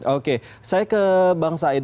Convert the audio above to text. oke saya ke bang said